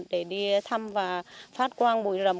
để đi thăm và phát quan bụi rầm